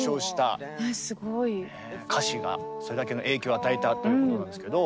歌詞がそれだけの影響を与えたということなんですけど。